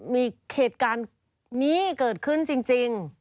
มีเหตุการณ์นี้เกิดขึ้นจริง